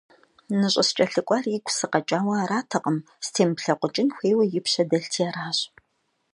НыщӀыскӀэлъыкӀуар игу сыкъэкӀауэ аратэкъым, стемыплъэкъукӀын хуейуэ и пщэ дэлъти аращ.